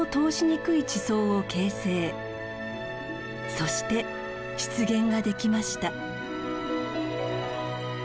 そして湿原ができました。